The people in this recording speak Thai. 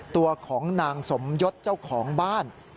ตัวของนางสมยศเจ้าของบ้าน